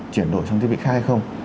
chuyển đội trong thiết bị khai hay không